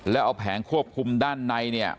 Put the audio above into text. แล้วเอาแผงควบคุมด้านในเนี่ย